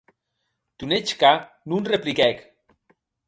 Dunetchka non repliquèc.